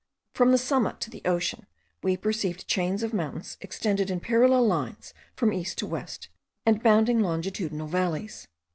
From the summer to the ocean we perceived chains of mountains extended in parallel lines from east to west, and bounding longitudinal valleys.